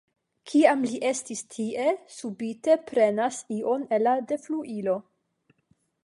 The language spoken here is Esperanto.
Kiam li estas tie, subite prenas ion el la defluilo.